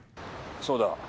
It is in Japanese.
そうだ。